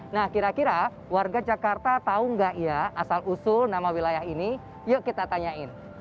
nah kira kira warga jakarta tahu nggak ya asal usul nama wilayah ini yuk kita tanyain